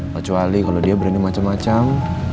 kecuali kalau dia berani macem macem